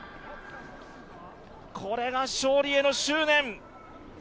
これが勝利への執念。